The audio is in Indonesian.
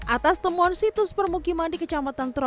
atas temuan situs permukiman di kecamatan troto